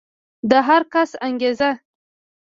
د هر کس انګېزه